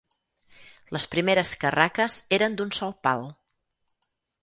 Les primeres carraques eren d'un sol pal.